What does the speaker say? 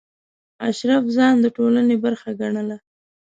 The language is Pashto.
اشراف ځان د ټولنې برخه ګڼله.